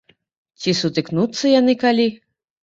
Ці сутыкнуцца яны калі?